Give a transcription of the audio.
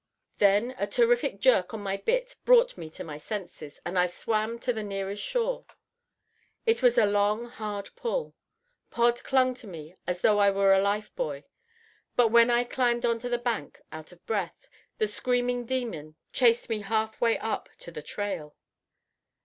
Then a terrific jerk on my bit brought me to my senses, and I swam to the nearest shore. It was a long, hard pull. Pod clung to me as though I were a life buoy, and when I climbed on to the bank out of breath, the screaming demon chased me half way up to the trail.